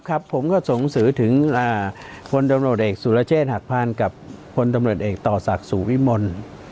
ครับผมก็ส่งสือถึงคนดำเนิดเอกสุรเชษหักพันธุ์กับคนดำเนิดเอกต่อศักดิ์สู่วิมนตร์